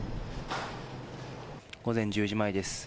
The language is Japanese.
午前１０時前です。